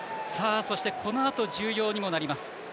そしてこのあと重要にもなります。